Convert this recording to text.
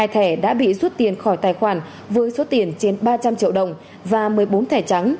hai thẻ đã bị rút tiền khỏi tài khoản với số tiền trên ba trăm linh triệu đồng và một mươi bốn thẻ trắng